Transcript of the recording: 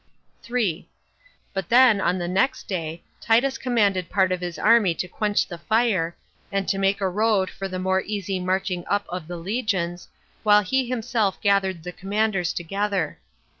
3. But then, on the next day, Titus commanded part of his army to quench the fire, and to make a road for the more easy marching up of the legions, while he himself gathered the commanders together.